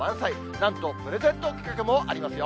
なんとプレゼント企画もありますよ。